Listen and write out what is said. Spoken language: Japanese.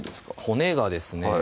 骨がですね